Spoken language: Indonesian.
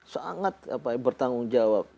sangat bertanggung jawab